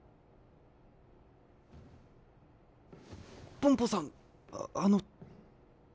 ポンポさんあっあの。